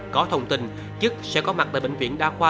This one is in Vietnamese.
có thông tin chức sẽ có mặt tại bệnh viện đa khoa